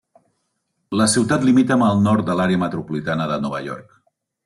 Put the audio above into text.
La ciutat limita amb el nord de l'àrea metropolitana de Nova York.